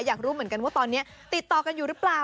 อยากรู้เหมือนกันว่าตอนนี้ติดต่อกันอยู่หรือเปล่า